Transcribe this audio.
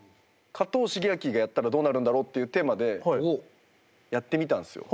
加藤シゲアキがやったらどうなるんだろうっていうテーマでやってみたんですよ。